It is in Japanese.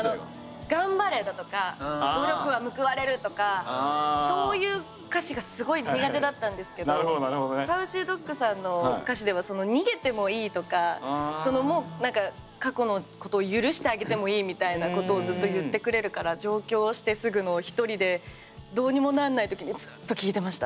頑張れだとか努力は報われるとかそういう歌詞がすごい苦手だったんですけどＳａｕｃｙＤｏｇさんの歌詞では逃げてもいいとかもう過去のことを許してあげてもいいみたいなことをずっと言ってくれるから上京してすぐの１人でどうにもなんない時にずっと聴いてました。